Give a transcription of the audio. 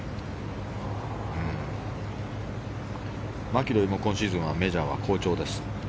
マキロイも今シーズンはメジャーは好調です。